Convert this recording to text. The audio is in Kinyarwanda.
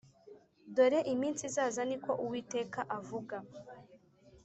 Dore iminsi izaza ni ko uwiteka avuga